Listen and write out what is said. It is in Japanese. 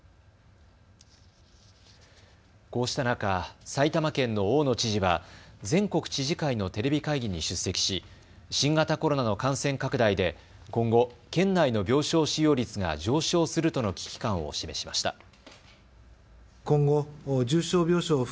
こうした中、埼玉県の大野知事は全国知事会のテレビ会議に出席し新型コロナの感染拡大で今後、県内の病床使用率が上昇するとの危機感を示しました。